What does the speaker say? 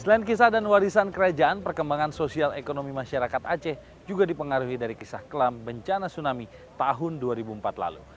selain kisah dan warisan kerajaan perkembangan sosial ekonomi masyarakat aceh juga dipengaruhi dari kisah kelam bencana tsunami tahun dua ribu empat lalu